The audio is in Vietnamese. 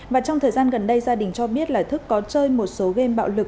và trong thời gian gần đây gia đình cho biết là thức có chơi một số game bạo lực